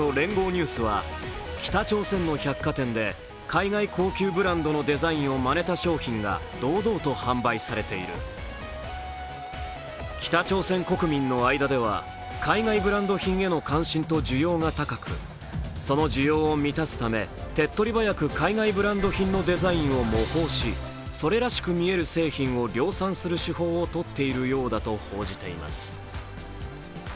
ニュースは北朝鮮の百貨店で海外高級ブランドのデザインをまねた商品が堂々と販売されている、北朝鮮国民の間では海外ブランド品への関心と需要が高くその需要を満たすため手っ取り早く海外ブランド品のデザインを模倣しそれらしく見える製品を量産する手法をとっているようだと報じています。